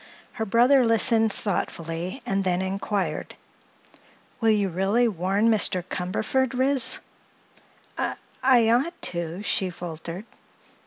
Her brother listened thoughtfully and then inquired: "Will you really warn Mr. Cumberford, Ris?" "I—I ought to," she faltered.